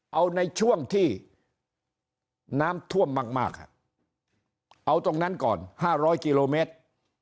เอาในช่วงที่น้ำท่วมมากเอาตรงนั้นก่อน๕๐๐กิโลเมตร